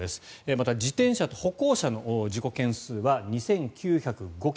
また、自転車と歩行者の事故件数は２９０５件。